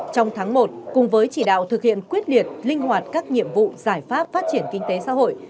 trong tháng một cùng với chỉ đạo thực hiện quyết liệt linh hoạt các nhiệm vụ giải pháp phát triển kinh tế xã hội